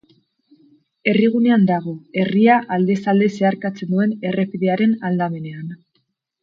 Herrigunean dago, herria aldez-alde zeharkatzen duen errepidearen aldamenean.